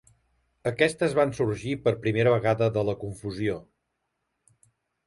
Aquestes van sorgir per primera vegada de la confusió.